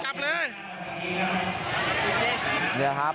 จับเลยจับเลย